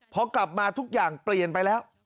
พอกลับมาทุกอย่างเปลี่ยนไปแล้ว